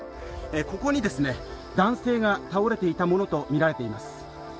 ここに男性が倒れていたものとみられています。